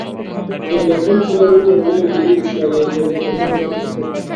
د لټون څراغونو رڼاوې له لیرې ښکارېدلې او ما ورته کتل.